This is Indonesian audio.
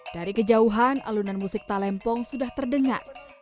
dari kejauhan alunan musik talempong sudah terdengar